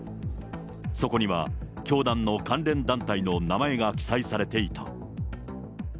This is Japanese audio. そこには教団の関連団体の名前が記載されていた。